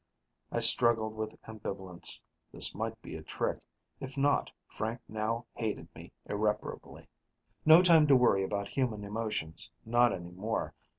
I struggled with ambivalence. This might be a trick; if not, Frank now hated me irreparably. No time to worry about human emotions, not any more.